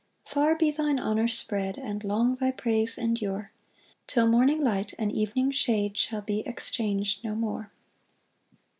2 Far be thine honour spread, And long thy praise endure, Till morning light and evening shade Shall be exchang'd no more.